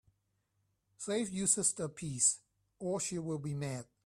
Save you sister a piece, or she will be mad.